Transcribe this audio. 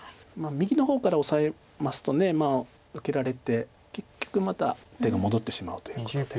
右の方からオサえますと受けられて結局また手が戻ってしまうということで。